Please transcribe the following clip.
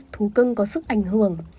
thú cưng có sức ảnh hưởng